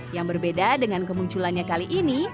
yang berbeda dengan kemunculannya kali ini